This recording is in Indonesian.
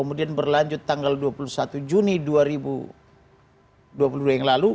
kemudian berlanjut tanggal dua puluh satu juni dua ribu dua puluh dua yang lalu